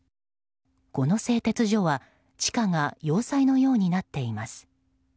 この製鉄所は地下が要塞のようになっています。